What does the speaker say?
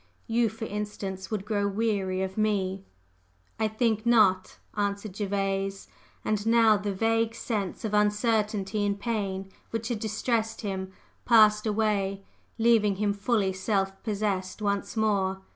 You, for instance, would grow weary of me!" "I think not," answered Gervase. And now the vague sense of uncertainty and pain which had distressed him passed away, leaving him fully self possessed once more.